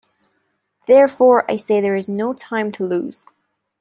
Therefore I say there's no time to lose.